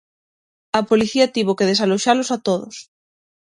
A policía tivo que desaloxalos a todos.